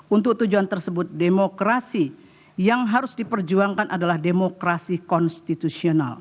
untuk tujuan tersebut demokrasi yang harus diperjuangkan adalah demokrasi konstitusional